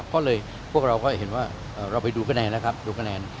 ก็เลยพวกเราก็เห็นว่าเราไปดูคะแนนแล้วครับดูคะแนน